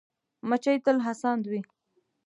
مچمچۍ تل هڅاند وي